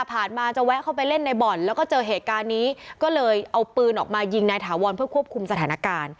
มาจะแวะเข้าไปเล่นในบ่อนแล้วก็เจอเหตุการณ์นี้ก็เลยเอาปืนออกมายิงนายถาวรเพื่อควบคุมสถานการณ์